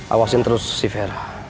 awasin terus si vera